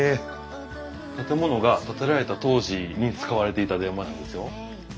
建物が建てられた当時に使われていた電話なんですよ。